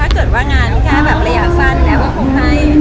ถ้าเกิดว่างานก็แบบระยะสั้นแล้วก็คงให้